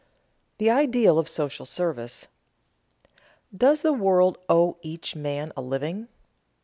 [Sidenote: The ideal of social service] Does the world owe each man a living?